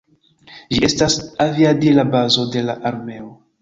Ĝi estas aviadila bazo de la armeo.